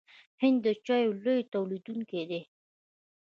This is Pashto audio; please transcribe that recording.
هند د چایو لوی تولیدونکی دی.